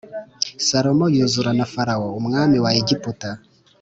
salomo yuzura na farawo umwami wa egiputa